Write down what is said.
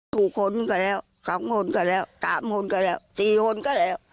ถูกหนก็แล้ว๒งวดก็แล้ว๓งวดก็แล้ว๔งวดก็แล้ว